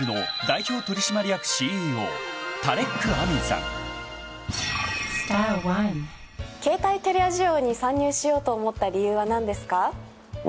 携帯キャリア事業に参入しようと思った理由は何ですか？